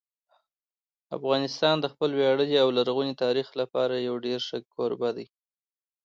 افغانستان د خپل ویاړلي او لرغوني تاریخ لپاره یو ډېر ښه کوربه دی.